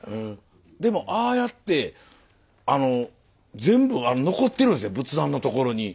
でもああやってあの全部残ってるんですね仏壇のところに。